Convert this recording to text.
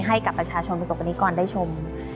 ให้กับประชาชนประสบกรณิกรได้ชม